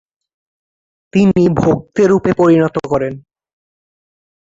তিনি ভক্তেরূপে পরিণত করেন।